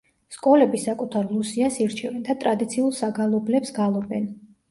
სკოლები საკუთარ ლუსიას ირჩევენ და ტრადიციულ საგალობლებს გალობენ.